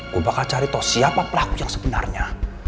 gua bakal cari tau siapa pelaku yang sebenarnya